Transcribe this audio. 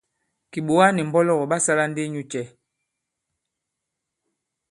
Kìɓòga nì mbɔlɔgɔ̀ ɓa sālā ndi inyū cɛ̄ ?